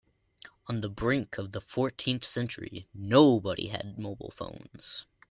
On the brink of the fourteenth century, nobody had mobile phones.